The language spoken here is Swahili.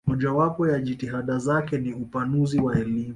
Mojawapo ya jitihada zake ni upanuzi wa elimu